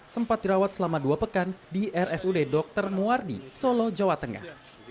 sempat dirawat selama dua pekan di rsud dr muardi solo jawa tengah